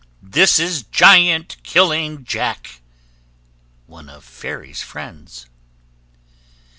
This is Giant killing Jack ONE OF FAIRY'S FRIENDS.